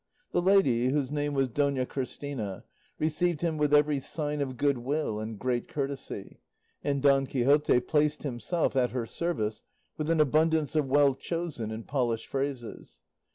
The lady, whose name was Dona Christina, received him with every sign of good will and great courtesy, and Don Quixote placed himself at her service with an abundance of well chosen and polished phrases.